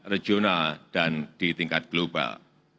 regional dan di tingkat global